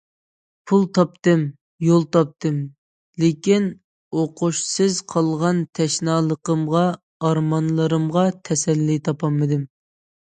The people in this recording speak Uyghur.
پۇل تاپتىم، يول تاپتىم، لېكىن ئوقۇشسىز قالغان تەشنالىقىمغا، ئارمانلىرىمغا تەسەللى تاپالمىدىم.